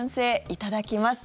いただきます。